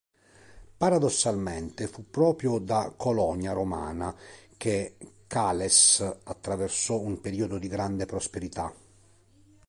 Paradossalmente fu proprio da colonia romana che Cales attraversò un periodo di grande prosperità.